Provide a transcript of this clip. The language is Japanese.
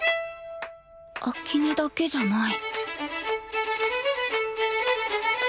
秋音だけじゃない